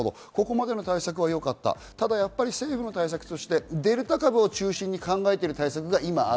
ここまでの対策はよかった、政府の対策としてデルタ株を中心に対策を考えている。